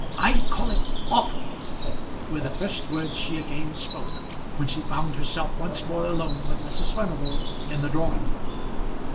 "I call it awful," were the first words she again spoke when she found herself once more alone with Mrs. Furnival in the drawing room.